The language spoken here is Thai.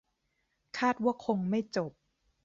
คาดว่าคงไม่จบ -'